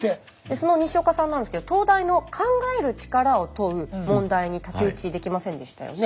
その西岡さんなんですけど東大の考える力を問う問題に太刀打ちできませんでしたよね。